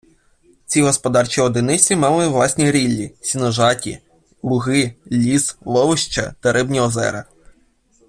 Ці господарчі одиниці мали власні ріллі, сіножаті, луги, ліс, ловища та рибні озера.